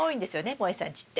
もえさんちって。